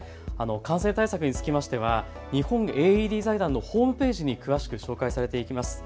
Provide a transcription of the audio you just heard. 感染対策についは日本ＡＥＤ財団のホームページに詳しく紹介されています。